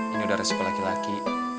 ini udah resiko laki laki